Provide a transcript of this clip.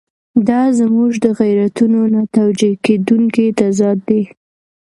دا زموږ د غیرتونو نه توجیه کېدونکی تضاد دی.